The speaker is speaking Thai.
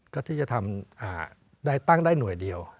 ก็ที่จะทำได้ตั้งได้หน่วยเดียว